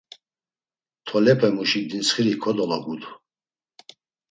Tolepemuşi dintsxiri kodologutu.